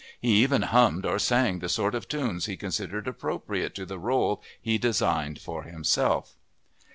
He even hummed or sang the sort of tunes he considered appropriate to the role he designed for himself.